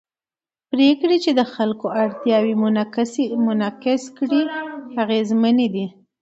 پرېکړې چې د خلکو اړتیاوې منعکس کړي اغېزمنې دي